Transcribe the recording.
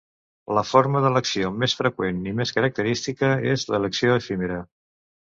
La forma d'elecció més freqüent i més característica és l'elecció efímera.